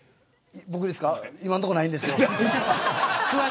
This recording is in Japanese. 僕ですか今のところないんです